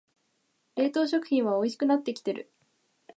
冷凍食品はおいしくなってきてる